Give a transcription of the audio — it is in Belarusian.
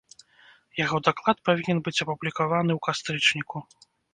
Яго даклад павінен быць апублікаваны ў кастрычніку.